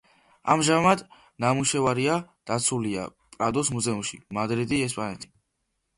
ამჟამად ნამუშევარია დაცულია პრადოს მუზეუმში, მადრიდი, ესპანეთი.